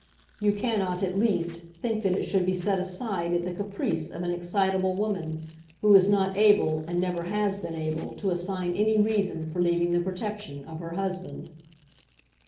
You cannot, at least, think that it should be set aside at the caprice of an excitable woman who is not able and never has been able to assign any reason for leaving the protection of her husband.